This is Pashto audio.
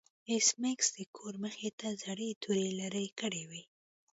ایس میکس د کور مخې ته زړې توري لرې کړې وې